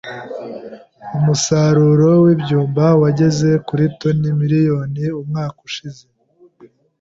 Umusaruro wibyuma wageze kuri toni miliyoni umwaka ushize.